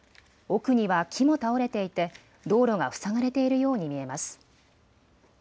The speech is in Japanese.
奥には木も倒れていて道路が塞がれているように見えます。